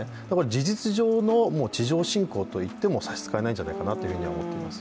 事実上の地上侵攻と言っても差し支えないんじゃないかなと思っています。